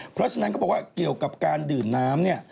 เพราะฉะนั้นเขาบอกว่าเกี่ยวกับการดื่มน้ำเนี่ย